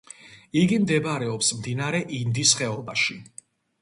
იგი მდებარეობს მდინარე ინდის ხეობაში.